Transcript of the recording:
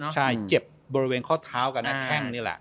ใช่เจ็บบริเวณข้อเท้ากันนะแข้งนี่แหละ